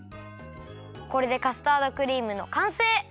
これでカスタードクリームのかんせい！